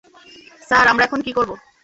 Sir, আমরা এখন কী করব?